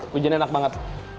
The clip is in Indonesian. wijennya enak banget